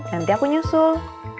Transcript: nanti aku nyusul